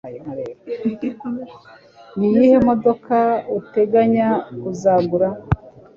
Niyihe modoka uteganya kuzagura